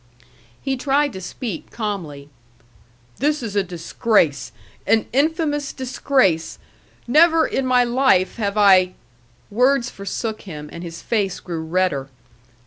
He tried to speak calmly. "This is a disgrace. An infamous disgrace. Never in my life have I " Words forsook him, and his face grew redder.